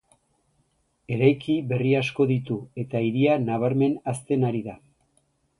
Eraiki berri asko ditu, eta hiria nabarmen hazten ari da.